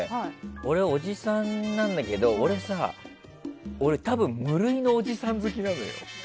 俺はおじさんなんだけど俺さ、多分無類のおじさん好きなのよ。